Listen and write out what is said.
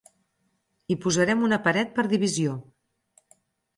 Hi posarem una paret per divisió.